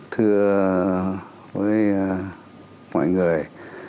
thưa mọi người